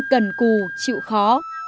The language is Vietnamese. cần cù chịu khó